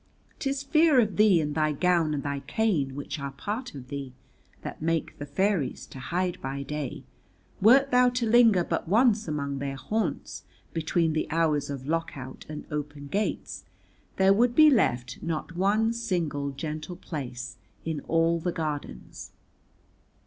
'Tis fear of thee and thy gown and thy cane, which are part of thee, that makes the fairies to hide by day; wert thou to linger but once among their haunts between the hours of Lock out and Open Gates there would be left not one single gentle place in all the Gardens.